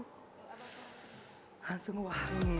mungkin jadi ngasih aroma